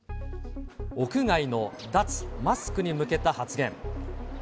屋外の脱マスクに向けた発言。